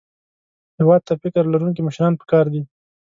هېواد ته فکر لرونکي مشران پکار دي